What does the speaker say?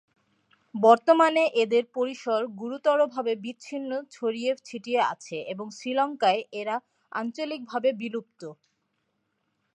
বর্তমানে এদের পরিসর গুরুতরভাবে বিচ্ছিন্ন ছড়িয়ে ছিটিয়ে আছে এবং শ্রীলঙ্কায় এরা আঞ্চলিকভাবে বিলুপ্ত।